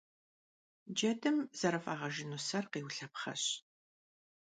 Джэдым зэрыфӀагъэжыну сэр къеулъэпхъэщ.